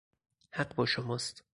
حق با شماست.